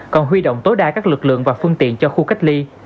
còn huy động tối đa các lực lượng và phương tiện cho khu cách ly